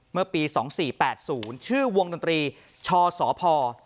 เมื่อปี๒๔๘๐ชื่อวงดนตรีชสพ